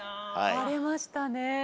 割れましたねえ。